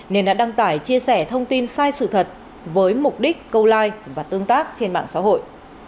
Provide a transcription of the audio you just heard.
nên đã đăng tải chia sẻ thông tin sai sự thật với mục đích câu like và tương tác trên mạng xã hội